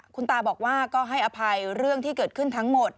คุณตาบอกว่าก็ให้อภัยเรื่องที่เกิดขึ้นทั้งหมด